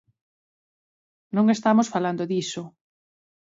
Non estamos falando diso.